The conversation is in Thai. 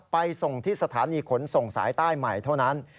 ไปส่งที่สถานีขนส่งสายใต้ใหม่เท่านั้น